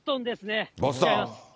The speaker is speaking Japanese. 行っちゃいます。